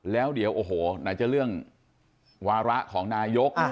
แล้วเดี๋ยวอร่อยจะเรื่องวาระของนายก